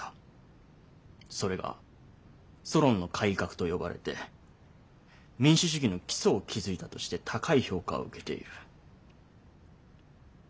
それがソロンの改革と呼ばれて民主主義の基礎を築いたとして高い評価を受けている。